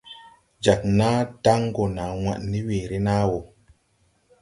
Jag nàa daŋ gɔ na waɗ ne weere nàa wɔ.